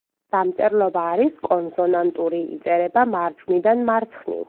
დამწერლობა არის კონსონანტური, იწერება მარჯვნიდან მარცხნივ.